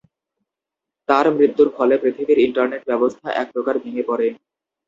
তার মৃত্যুর ফলে পৃথিবীর ইন্টারনেট ব্যবস্থা এক প্রকার ভেঙে পড়ে।